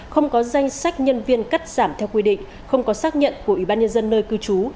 không có danh sách nhân viên cắt giảm theo quy định không có xác nhận của ủy ban nhân dân nơi cư trú